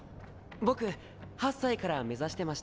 僕８歳から目指してました。